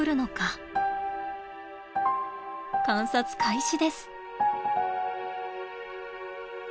観察開始です。